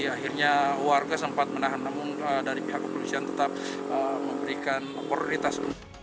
akhirnya warga sempat menahan namun dari pihak kepolisian tetap memberikan prioritas